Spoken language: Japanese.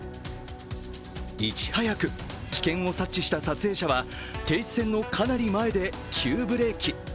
いち早く危険を察知した撮影者は停止線のかなり前で急ブレーキ。